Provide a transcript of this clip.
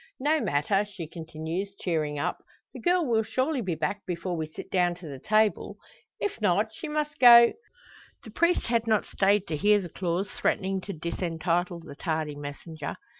"No matter," she continues, cheering up, "the girl will surely be back before we sit down to the table. If not, she must go " The priest had not stayed to hear the clause threatening to disentitle the tardy messenger.